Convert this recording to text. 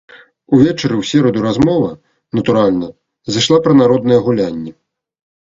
Увечары ў сераду размова, натуральна, зайшла пра народныя гулянні.